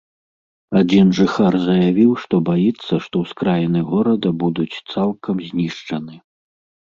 Адзін жыхар заявіў, што баіцца, што ўскраіны горада будуць цалкам знішчаны.